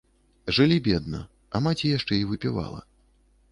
Жылі бедна, а маці яшчэ і выпівала.